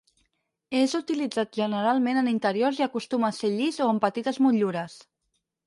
És utilitzat generalment en interiors i acostuma a ser llis o amb petites motllures.